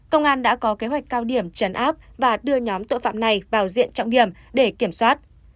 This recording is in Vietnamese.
công an đã có kế hoạch cao điểm chấn áp và đưa nhóm tội phạm này vào diện trọng điểm để kiểm soát